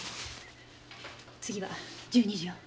次は１２時よ。